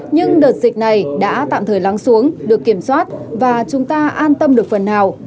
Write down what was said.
nhưng đợt dịch này đã tạm thời lắng xuống được kiểm soát và chúng ta an tâm được phần nào